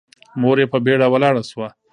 مور يې په بيړه ولاړه شوه.